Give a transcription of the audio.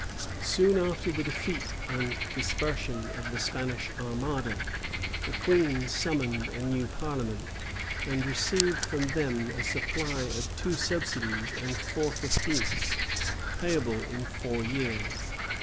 [*] {1589.} Soon after the defeat and dispersion of the Spanish armada, the queen summoned a new parliament, and received from them a supply of two subsidies and four fifteenths, payable in four years.